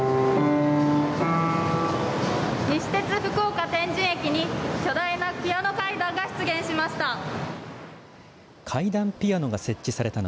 西鉄、福岡天神駅に巨大なピアノ階段が出現しました。